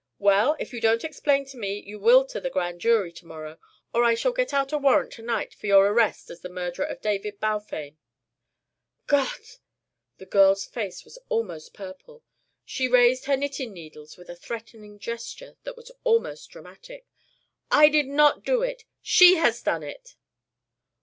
Well, if you don't explain to me, you will to the Grand Jury to morrow. Or I shall get out a warrant to night for your arrest as the murderer of David Balfame." "Gott!" The girl's face was almost purple. She raised her knitting needles with a threatening gesture that was almost dramatic. "I did not do it. She has done it."